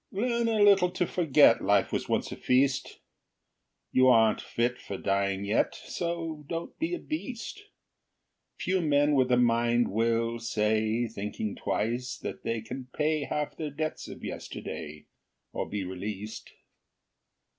Learn a little to forget Life was once a feast; You aren't fit for dying yet, So don't be a beast. Few men with a mind will say, Thinking twice, that they can pay Half their debts of yesterday, Or be released.